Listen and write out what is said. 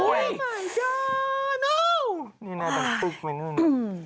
นี่น่าจะตุ๊กไว้เนื่องหนึ่ง